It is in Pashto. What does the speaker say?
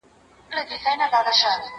زه پرون لوښي وچوم وم.